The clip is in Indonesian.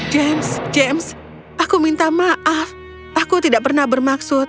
james james aku minta maaf aku tidak pernah bermaksud